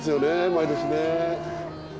毎年ね。